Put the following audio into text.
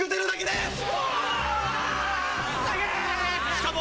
しかも。